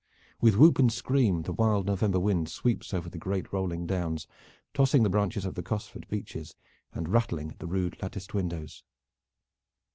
With whoop and scream the wild November wind sweeps over the great rolling downs, tossing the branches of the Cosford beeches, and rattling at the rude latticed windows.